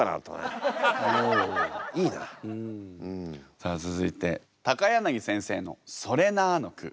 さあ続いて柳先生の「それな」の句